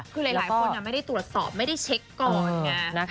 คือหลายคนไม่ได้ตรวจสอบไม่ได้เช็คก่อนไง